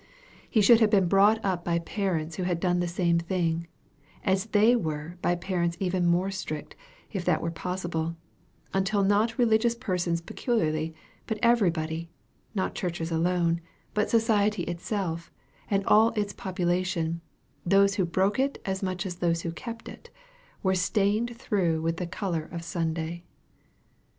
He should have been brought up by parents who had done the same thing, as they were by parents even more strict, if that were possible; until not religious persons peculiarly, but everybody not churches alone, but society itself, and all its population, those who broke it as much as those who kept it were stained through with the color of Sunday.